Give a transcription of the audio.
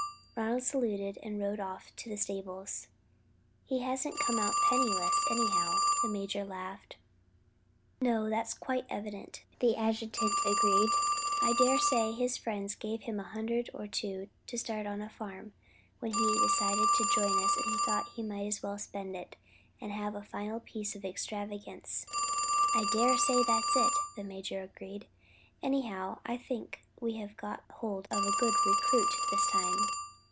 Ronald saluted and rode off to the stables. "He hasn't come out penniless, anyhow," the major laughed. "No, that's quite evident," the adjutant agreed. "I dare say his friends gave him a hundred or two to start on a farm, and when he decided to join us he thought he might as well spend it, and have a final piece of extravagance." "I dare say that's it," the major agreed; "anyhow I think we have got hold of a good recruit this time."